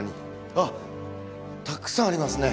あったくさんありますね